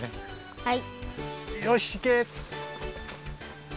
はい。